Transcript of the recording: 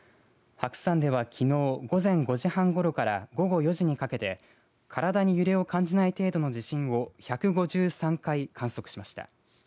白山ではきのう午前５時半ごろから午後４時にかけて体に揺れを感じない程度の地震を１５３回観測しました。